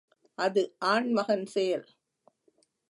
அது ஆண்மகன் செயல்!